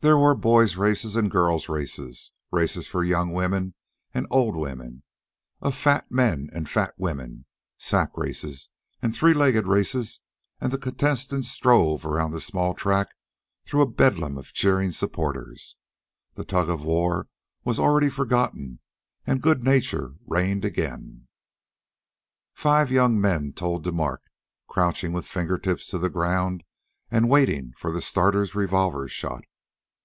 There were boys' races and girls' races, races of young women and old women, of fat men and fat women, sack races and three legged races, and the contestants strove around the small track through a Bedlam of cheering supporters. The tug of war was already forgotten, and good nature reigned again. Five young men toed the mark, crouching with fingertips to the ground and waiting the starter's revolver shot.